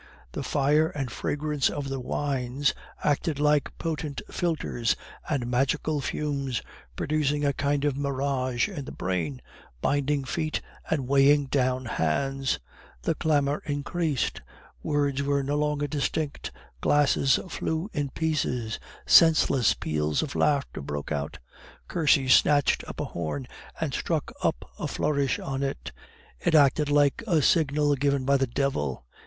The fire and fragrance of the wines acted like potent philters and magical fumes, producing a kind of mirage in the brain, binding feet, and weighing down hands. The clamor increased. Words were no longer distinct, glasses flew in pieces, senseless peals of laughter broke out. Cursy snatched up a horn and struck up a flourish on it. It acted like a signal given by the devil.